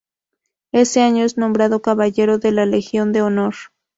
Ese año es nombrado Caballero de la Legión de Honor.